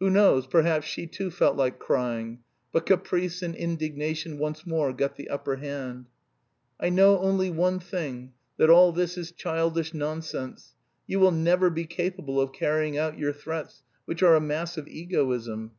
Who knows, perhaps, she too felt like crying. But caprice and indignation once more got the upper hand. "I know only one thing, that all this is childish nonsense. You will never be capable of carrying out your threats, which are a mass of egoism.